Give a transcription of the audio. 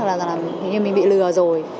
là hình như mình bị lừa rồi